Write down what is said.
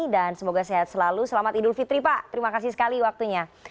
dan semoga sehat selalu selamat idul fitri pak terima kasih sekali waktunya